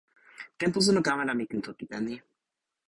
tenpo suno kama la mi ken toki tan ni.